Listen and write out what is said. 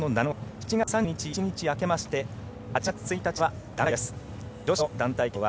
７月３１日、１日空けまして８月１日からは団体です。